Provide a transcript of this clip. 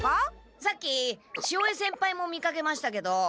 さっき潮江先輩も見かけましたけど。